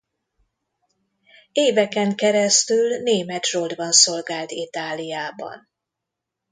Éveken keresztül német zsoldban szolgált Itáliában.